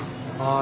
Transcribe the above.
あ。